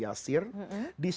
disaksikan untuk mengganti wudhu